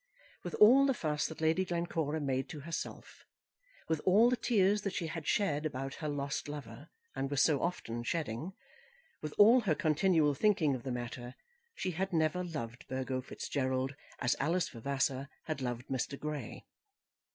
With all the fuss that Lady Glencora made to herself, with all the tears that she had shed about her lost lover, and was so often shedding, with all her continual thinking of the matter, she had never loved Burgo Fitzgerald as Alice Vavasor had loved Mr. Grey.